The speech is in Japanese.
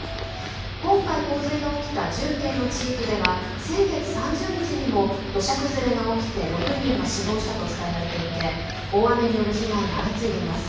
今回洪水が起きた重慶の地域では先月３０日にも土砂崩れが起きて６人が死亡したと伝えられていて大雨による被害が相次いでいます。